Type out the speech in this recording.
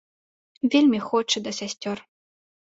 Вельмі хоча да сясцёр.